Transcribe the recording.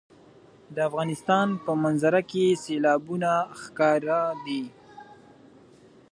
د افغانستان په منظره کې سیلابونه ښکاره دي.